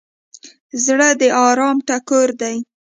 زړه د ارام ټکور دی.